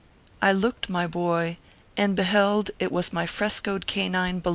I looked, my boy, and beheld it was my frescoed ORPHEUS C.